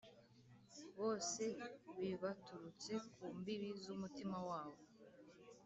bose bibaturutse ku mbibi z'umutima wabo